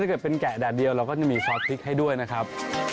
เกิดเป็นแกะแดดเดียวเราก็จะมีซอสพริกให้ด้วยนะครับ